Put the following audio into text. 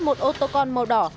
một ô tô con màu đỏ